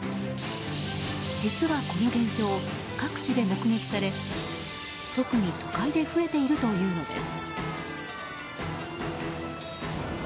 実は、この現象各地で目撃され特に都会で増えているというのです。